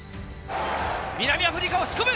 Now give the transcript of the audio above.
南アフリカ押し込む！